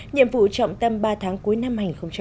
nhiệm vụ trọng tâm ba tháng cuối năm hai nghìn một mươi tám